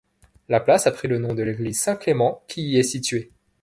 La place a pris le nom de l'église Saint-Clément qui y est située.